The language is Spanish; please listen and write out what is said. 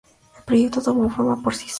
El proyecto tomó forma por sí solo.